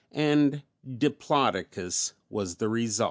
And Diplodocus was the result.